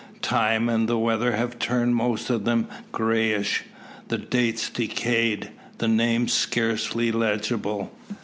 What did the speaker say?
Time and the weather have turned most of them greyish, with dates decayed, and names scarcely legible.